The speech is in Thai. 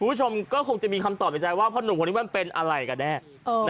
คุณผู้ชมก็คงจะมีคำตอบในใจว่าพ่อหนุ่มคนนี้มันเป็นอะไรกันแน่